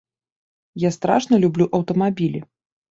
Я страшна люблю аўтамабілі.